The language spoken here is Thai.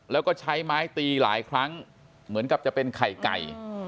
แล้วก็ใช้ไม้ตีหลายครั้งเหมือนกับจะเป็นไข่ไก่